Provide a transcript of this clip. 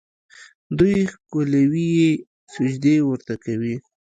دوی ښکلوي یې، سجدې ورته کوي.